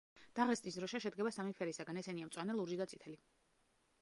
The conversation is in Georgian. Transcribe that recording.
დაღესტნის დროშა შედგება სამი ფერისგან, ესენია: მწვანე, ლურჯი და წითელი.